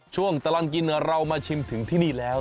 ช่วงตลอดกินเรามาชิมถึงที่นี่แล้ว